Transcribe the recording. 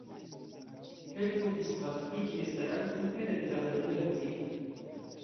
Helpu disvastigi Esperanton pere de la brazila muziko!